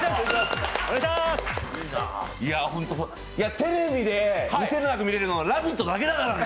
テレビで２７００見れるのは「ラヴィット！」だけだからね。